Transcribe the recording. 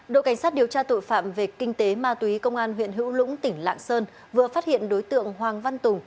đội cảnh sát điều tra tội phạm về kinh tế ma túy công an huyện hữu lũng tỉnh lạng sơn vừa phát hiện đối tượng hoàng văn tùng